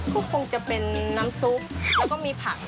ก็คงจะเป็นน้ำซุปแล้วก็มีผัก